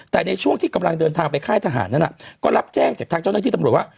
แต่ในช่วงที่กำลังเดินทางไปค่ายทหารนั้นก็รับแจ้งจากทางเจ้าหน้าที่ตำรวจว่า